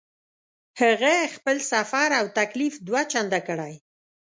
هغه خپل سفر او تکلیف دوه چنده کړی.